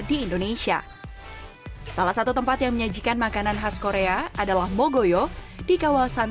di indonesia salah satu tempat yang menyajikan makanan khas korea adalah mogoyo di kawasan